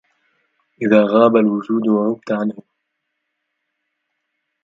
إذا غاب الوجود وغبت عنه